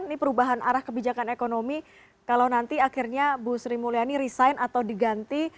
ini perubahan arah kebijakan ekonomi kalau nanti akhirnya bu sri mulyani resign atau diganti